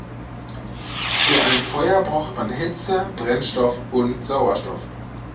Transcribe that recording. Für ein Feuer braucht man Hitze, Brennstoff und Sauerstoff.